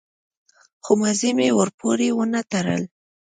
خو مزي مې ورپورې ونه تړل.